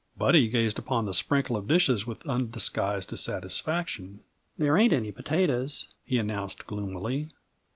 Buddy gazed upon the sprinkle of dishes with undisguised dissatisfaction. "There ain't any potatoes," he announced gloomily.